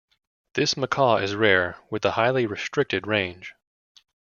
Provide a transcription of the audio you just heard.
This macaw is rare with a highly restricted range.